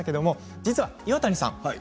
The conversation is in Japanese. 実は岩谷さん